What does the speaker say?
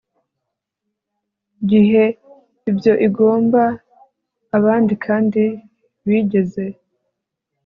gihe ibyo igomba abandi kandi bigeze